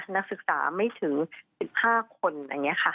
นักศึกษาไม่ถึง๑๕คนไงค่ะ